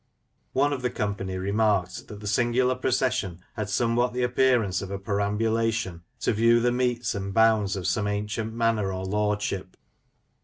One of the company remarked that the singular procession had somewhat the appearance of a perambulation to view the metes and bounds of some ancient manor or lordship.